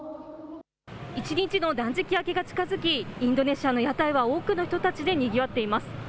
一日の断食明けが近づき、インドネシアの屋台は多くの人たちでにぎわっています。